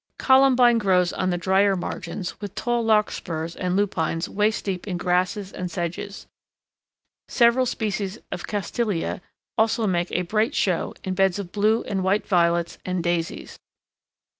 Columbine grows on the drier margins with tall larkspurs and lupines waist deep in grasses and sedges; several species of castilleia also make a bright show in beds of blue and white violets and daisies.